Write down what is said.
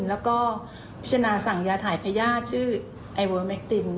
แล้วก็พิจารณาสั่งยาถ่ายพญาติชื่อไอเวอร์แมคติน